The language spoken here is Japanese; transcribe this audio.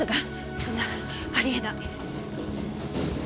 そんなありえない。